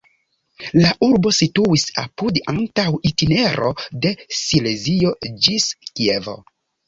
La urbo situis apud antaŭa itinero de Silezio ĝis Kievo.